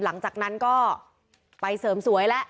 หลังจากนั้นก็ไปเสริมสวยแล้ว